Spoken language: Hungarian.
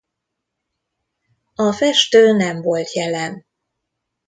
A festő nem volt jelen.